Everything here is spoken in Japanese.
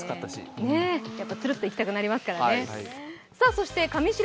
やっぱ、つるっといきたくなりますからね。